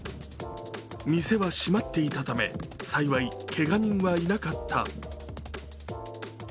店は閉まっていたため幸いけが人はいなかった。